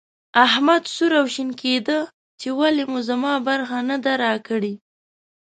احمد سور او شين کېدی چې ولې مو زما برخه نه ده راکړې.